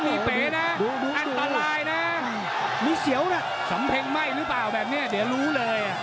มาแล้วมาเป็นชุดละครับ